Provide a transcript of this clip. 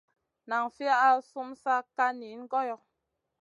Nan fi al sumun sa ka niyn goyo.